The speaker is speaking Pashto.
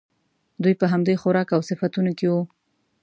دوی په همدې خوراک او صفتونو کې وو.